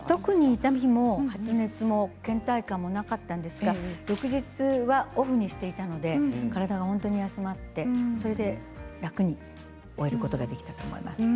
痛みも発熱もけん怠感もなかったんですが翌日はオフにしていたので体が本当に休まって、楽に終えることができたと思います。